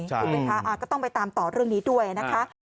คุณผู้ชายก็ต้องไปตามตอบเรื่องนี้ด้วยนะคะ